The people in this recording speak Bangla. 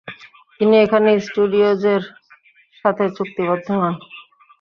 তিনি এসানে স্টুডিওজের সাথে চুক্তিবদ্ধ হন।